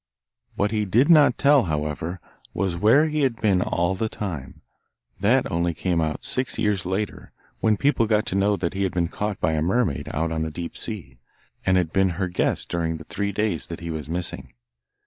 What he did not tell, however, was where he had been all the time; that only came out six years later, when people got to know that he had been caught by a mermaid out on the deep sea, and had been her guest during the three days that he was missing.